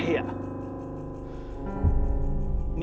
aku di sini